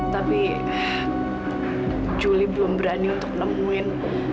tapi juli belum berani untuk nemuin